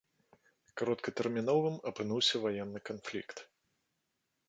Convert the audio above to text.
Кароткатэрміновым апынуўся ваенны канфлікт.